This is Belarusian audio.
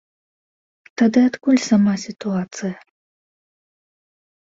Тады адкуль сама сітуацыя?